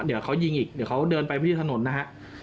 เดี๋ยวเขายิงอีกเดี๋ยวเขาเดินไปที่ถนนนะฮะ